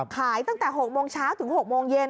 ตั้งแต่๖โมงเช้าถึง๖โมงเย็น